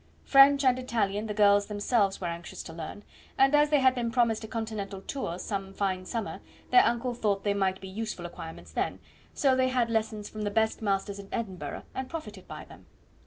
French and Italian the girls themselves were anxious to learn; and as they had been promised a continental tour some fine summer, their uncle thought they might be useful acquirements then, so they had lessons from the best masters in Edinburgh, and profited by them.